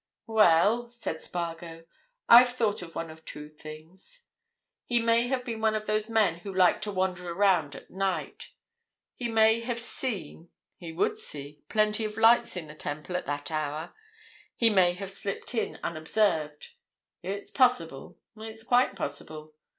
"Well," said Spargo, "I've thought of one or two things. He may have been one of those men who like to wander around at night. He may have seen—he would see—plenty of lights in the Temple at that hour; he may have slipped in unobserved—it's possible, it's quite possible.